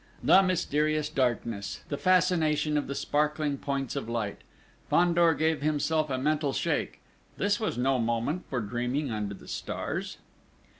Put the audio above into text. The mysterious darkness! The fascination of the sparkling points of light!... Fandor gave himself a mental shake.... This was no moment for dreaming under the stars!